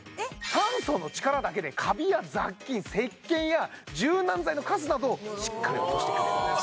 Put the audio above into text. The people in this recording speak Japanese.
酸素の力だけでカビや雑菌石鹸や柔軟剤のカスなどをしっかり落としてくれるんです